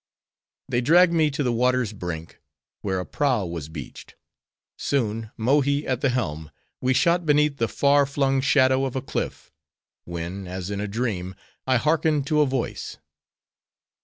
They dragged me to the water's brink, where a prow was beached. Soon— Mohi at the helm—we shot beneath the far flung shadow of a cliff; when, as in a dream, I hearkened to a voice.